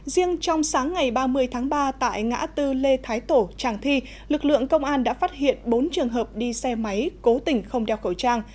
riêng trong sáng ngày ba mươi tháng ba tại ngã tư lê thái tổ tràng thi lực lượng công an đã phát hiện bốn trường hợp đi xe máy cố tình không đeo khẩu trang